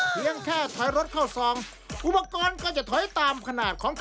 เพียงแค่ถอยรถเข้าซองอุปกรณ์ก็จะถอยตามขนาดของ